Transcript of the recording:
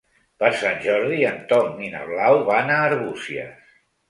Per Sant Jordi en Tom i na Blau van a Arbúcies.